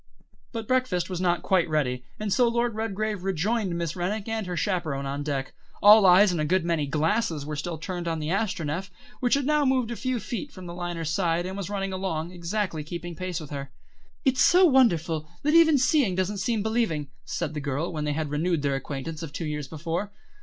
But breakfast was not quite ready, and so Lord Redgrave rejoined Miss Rennick and her chaperon on deck. All eyes and a good many glasses were still turned on the Astronef, which had now moved a few feet away from the liner's side, and was running along, exactly keeping pace with her. "It's so wonderful, that even seeing doesn't seem believing," said the girl, when they had renewed their acquaintance of two years before.